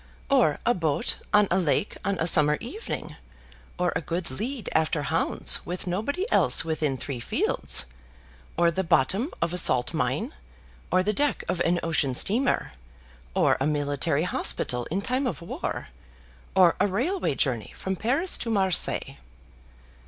"Or a boat on a lake on a summer evening, or a good lead after hounds with nobody else within three fields, or the bottom of a salt mine, or the deck of an ocean steamer, or a military hospital in time of war, or a railway journey from Paris to Marseilles?"